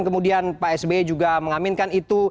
kemudian pak sbe juga mengaminkan itu